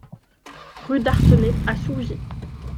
Rue d'Artenay à Sougy